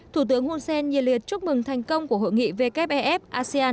thủ tướng hun sen nhiệt liệt chúc mừng thành công của hội nghị wef asean hai nghìn một mươi tám